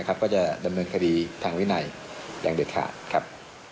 ก็จะดำเนินคดีทางวินัยอย่างเด็ดขาดครับ